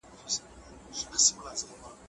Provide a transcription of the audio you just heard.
د ژمنو خلاف عمل يې نه کاوه.